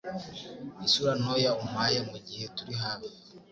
Isura ntoya umpaye mugihe turi hafi